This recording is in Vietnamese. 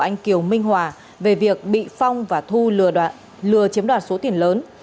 anh kiều minh hòa về việc bị phong và thu lừa chiếm đoạt số tiền lớn